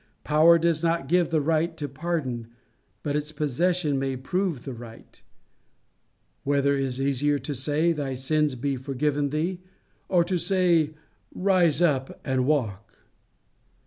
Power does not give the right to pardon, but its possession may prove the right. "Whether is easier to say, Thy sins be forgiven thee, or to say, Rise up and walk?"